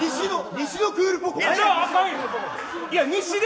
西のクールポコ。